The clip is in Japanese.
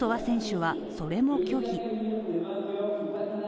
選手は、それも拒否。